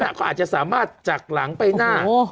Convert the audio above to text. เขาอาจจะสามารถจากหลังไปหน้า